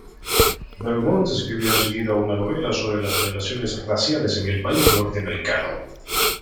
Beaumont escribió enseguida una novela sobre las relaciones raciales en el país norteamericano.